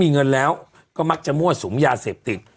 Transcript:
มีเงินแล้วก็มักจะมั่วสุมยาเสพติด